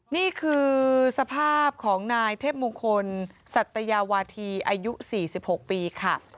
นี่คือสภาพของนายเทพมงคลสัตยาวาธีอายุ๔๖ปีค่ะ